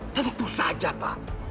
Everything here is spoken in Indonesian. tentu saja pak